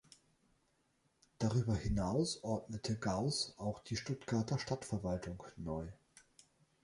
Darüber hinaus ordnete Gauß auch die Stuttgarter Stadtverwaltung neu.